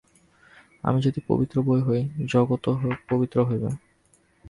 আমরা যদি পবিত্র হই, জগৎও পবিত্র হইবে।